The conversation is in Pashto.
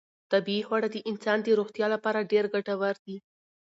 طبیعي خواړه د انسان د روغتیا لپاره ډېر ګټور دي.